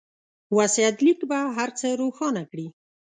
وصيت ليک به هر څه روښانه کړي.